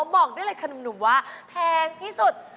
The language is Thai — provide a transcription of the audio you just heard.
บอกด้วยเลยคนนุมว่าแพงที่สุด